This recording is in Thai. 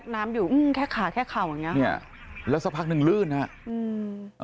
น้ำอยู่อืมแค่ขาแค่เข่าอย่างเงี้เนี้ยแล้วสักพักหนึ่งลื่นฮะอืม